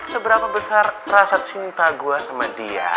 seberapa besar rasa cinta gue sama dia